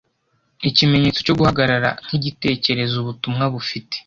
ikimenyetso cyo guhagarara nkigitekerezo ubutumwa bufite